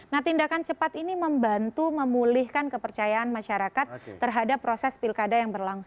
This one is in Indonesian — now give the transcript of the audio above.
nah tindakan cepat ini membantu memulihkan kepercayaan masyarakat terhadap proses pilkada yang berlangsung